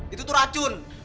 itu tuh racun